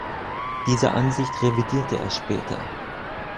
Diese Ansicht revidierte er später.